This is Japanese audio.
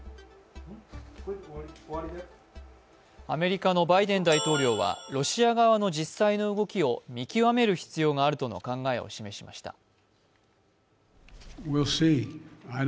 アメリカのバイデン大統領はロシア側の実際の動きを見極める必要があるとの考えを示しました。